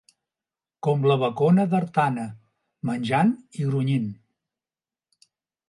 Com la bacona d'Artana, menjant i grunyint.